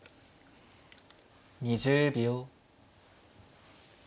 ２０秒。